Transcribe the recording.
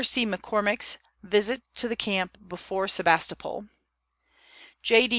C. McCormick's Visit to the Camp before Sebastopol; J. D.